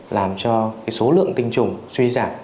làm cho số lượng tinh trùng suy giả